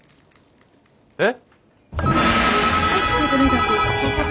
えっ。